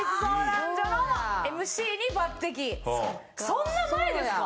そんな前ですか？